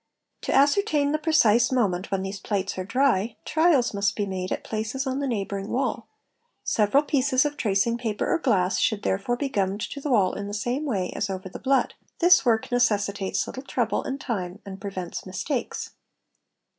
To ascertain the precise moment when these plates are dry, trials must be made at places on the neighbouring wall; several pieces of tracing paper or glass, should therefore be gummed to the wall in the same way as over the blood ; this work necessitates little trouble and time and prevents mistakes.